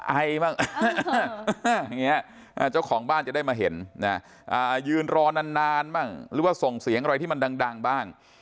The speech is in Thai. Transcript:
ไอบ้างอย่างนี้เจ้าของบ้านจะได้มาเห็นยืนรอนานบ้างหรือว่าส่งเสียงอะไรที่มันดังบ้าง